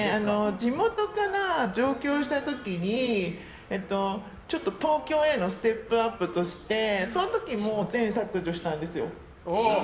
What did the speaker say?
地元から上京した時にちょっと東京へのステップアップとしてその時も全削除したんですよ。